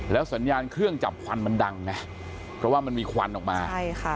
สัญญาณเครื่องจับควันมันดังนะเพราะว่ามันมีควันออกมาใช่ค่ะ